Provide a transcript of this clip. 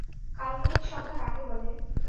কাল্পনিক সংখ্যা কাকে বলে?